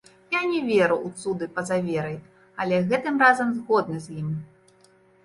Я не веру ў цуды па-за верай, але гэтым разам згодны з ім.